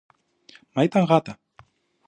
Μα ήταν γάτα